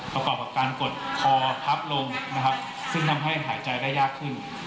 ประกอบกับการกดคอพับลงนะครับซึ่งทำให้หายใจได้ยากขึ้น